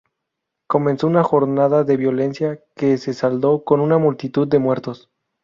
Comenzó una jornada de violencia que se saldó con una multitud de muertos.